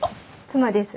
妻です。